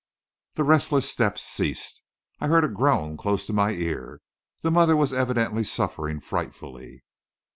The restless steps ceased. I heard a groan close to my ear; the mother was evidently suffering frightfully.